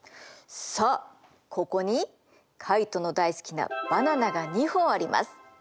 さあここにカイトの大好きなバナナが２本あります。